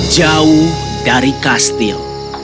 jauh dari kastil